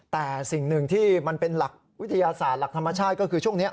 แต่สิ่งหนึ่งที่มันเป็นหลักวิทยาศาสตร์หลักธรรมชาติก็คือช่วงนี้